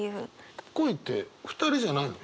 恋って２人じゃないの？